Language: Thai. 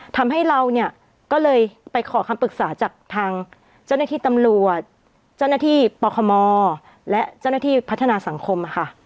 ทำให้เราเนี่ยก็เลยไปขอคำปรึกษาจากทางเจ้าหน้าที่ตำรวจเจ้าหน้าที่ปคมและเจ้าหน้าที่พัฒนาสังคมค่ะ